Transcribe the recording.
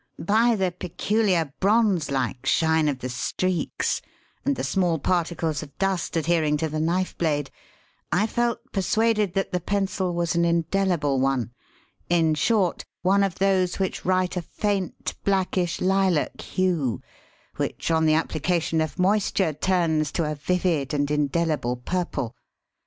By the peculiar bronze like shine of the streaks, and the small particles of dust adhering to the knife blade, I felt persuaded that the pencil was an indelible one in short, one of those which write a faint, blackish lilac hue which, on the application of moisture, turns to a vivid and indelible purple.